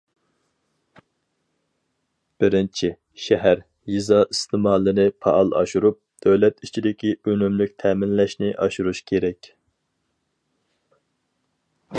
بىرىنچى، شەھەر، يېزا ئىستېمالىنى پائال ئاشۇرۇپ، دۆلەت ئىچىدىكى ئۈنۈملۈك تەمىنلەشنى ئاشۇرۇش كېرەك.